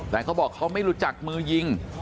แต่เขาบอกเขาไม่รู้จักมือยิง